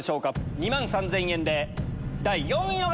２万３０００円で第４位の方！